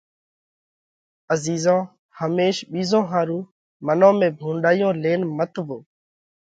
عزيرو ھميش ٻِيزون ۿارُو منون ۾ ڀونڏايون لينَ مت وو۔